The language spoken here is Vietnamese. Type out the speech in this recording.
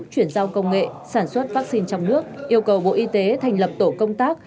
chuyển giao công nghệ sản xuất vaccine trong nước yêu cầu bộ y tế thành lập tổ công tác